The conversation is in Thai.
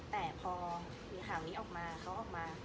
แต่พอมีข่าวนี้ออกมาเขาออกมา